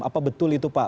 apa betul itu pak